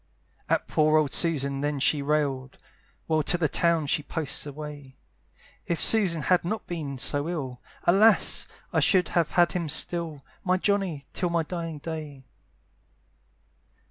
At poor old Susan then she railed, While to the town she posts away; "If Susan had not been so ill, "Alas! I should have had him still, "My Johnny, till my dying day."